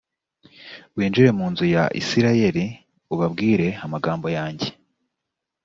winjire mu inzu ya isirayeli ubabwire amagambo yanjye